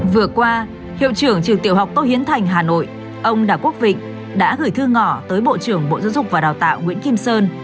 vừa qua hiệu trưởng trường tiểu học tô hiến thành hà nội ông đào quốc vịnh đã gửi thư ngỏ tới bộ trưởng bộ giáo dục và đào tạo nguyễn kim sơn